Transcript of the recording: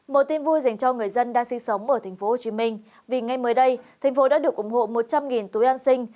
một tin vui dành cho người dân đang sinh sống ở tp hcm vì ngay mới đây thành phố đã được ủng hộ một trăm linh túi an sinh